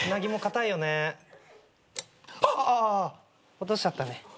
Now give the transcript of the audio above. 落としちゃったね。